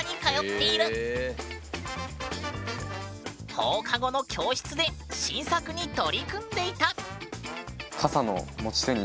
放課後の教室で新作に取り組んでいた。